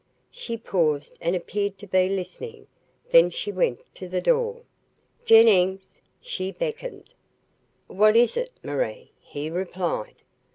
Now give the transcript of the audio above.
She paused and appeared to be listening. Then she went to the door. "Jennings!" she beckoned. "What is it, Marie?" he replied.